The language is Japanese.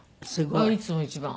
いつも一番。